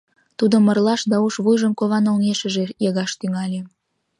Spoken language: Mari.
Тудо мырлаш да ош вуйжым кован оҥешыже йыгаш тӱҥале.